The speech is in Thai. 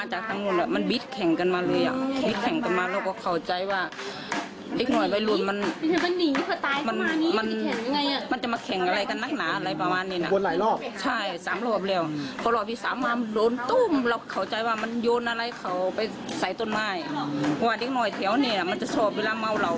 ให้เขาไปใส่ต้นไม้เพราะว่านิดหน่อยแถวนี้มันจะโชว์เวลาเมาเหล่า